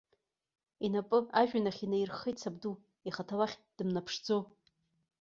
Инапы ажәҩан ахь инаирххеит сабду, ихаҭа уахь дымнаԥшӡо.